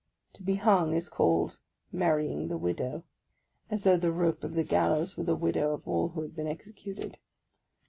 Tc be hung is called " marrying the widow," as though the rope of the gallows were the widow of all who had been ex ecuted!